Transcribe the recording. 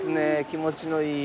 気持ちのいい。